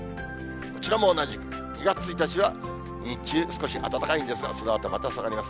こちらも同じく、２月１日は、日中、少し暖かいんですが、そのあとまた下がります。